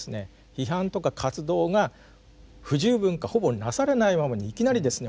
批判とか活動が不十分かほぼなされないままにいきなりですね